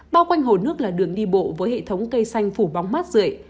bao quanh hồ nước là đường đi bộ với hệ thống cây xanh phủ bóng mát rượi